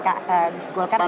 pan belum ya